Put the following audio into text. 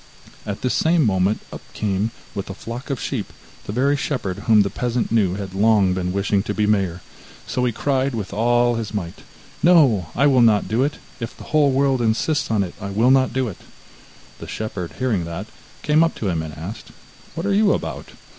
At this same moment up came, with a flock of sheep, the very shepherd whom the peasant knew had long been wishing to be mayor, so he cried with all his might: 'No, I will not do it; if the whole world insists on it, I will not do it!' The shepherd hearing that, came up to him, and asked: 'What are you about?